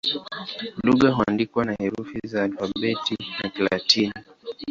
Lugha huandikwa na herufi za Alfabeti ya Kilatini.